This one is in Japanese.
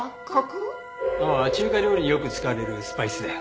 中華料理によく使われるスパイスだよ。